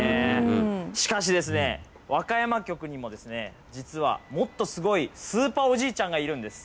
しかしですね、和歌山局にも、実はもっとすごいスーパーおじいちゃんがいるんです。